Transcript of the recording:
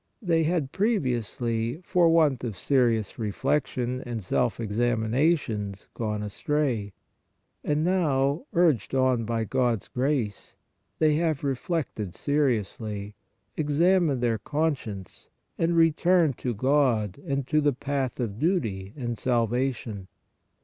They had previously, for want of serious reflections and self examinations, gone astray, and now urged on by God s grace they have reflected seriously, examined their conscience and returned to God and to the path of duty and salvation!